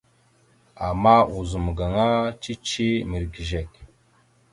Ama ozum gaŋa cici mirəgezekw.